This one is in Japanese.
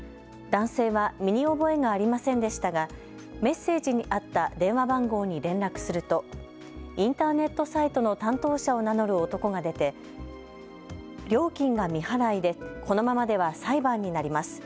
男性は身に覚えがありませんでしたがメッセージにあった電話番号に連絡するとインターネットサイトの担当者を名乗る男が出て料金が未払いでこのままでは裁判になります。